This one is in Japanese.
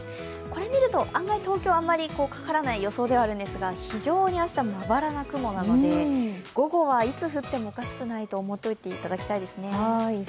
これを見ると、案外東京はかからない予想なんですが明日は非常にまばらな雲なので午後はいつ降ってもおかしくないと思っておいていただきたいです。